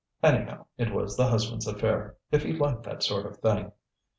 Anyhow, it was the husband's affair, if he liked that sort of thing.